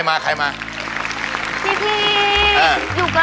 มีความรู้สึกว่า